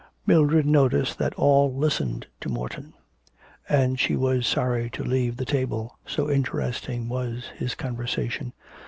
Mildred noticed that all listened to Morton; and she was sorry to leave the table, so interesting was his conversation.